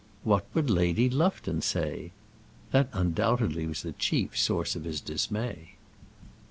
What would Lady Lufton say? That undoubtedly was the chief source of his dismay.